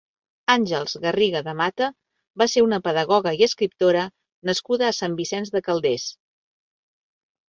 Àngels Garriga de Mata va ser una pedagoga i escriptora nascuda a Sant Vicenç de Calders.